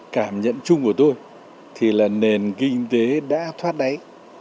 cảm nhận chung của tôi thì là nền kinh tế đã thoát đáy